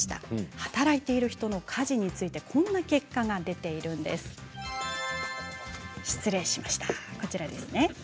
働いている人の家事についてこんな結果が出ています。